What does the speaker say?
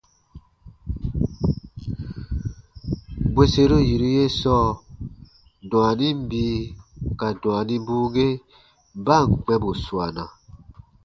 Bwerseru yiru ye sɔɔ, dwaanin bii ka dwaanibuu ge ba ǹ kpɛ̃ bù suana,